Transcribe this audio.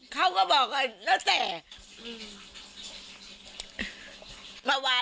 เขาก็บอกว่าน้าแต่